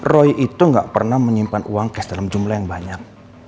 roy itu gak pernah menyimpan uang cash dalam jumlah yang banyak